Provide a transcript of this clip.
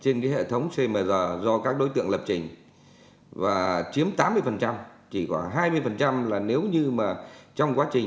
tự động hóa trên hệ thống cmr do các đối tượng lập trình và chiếm tám mươi chỉ có hai mươi là nếu như trong quá trình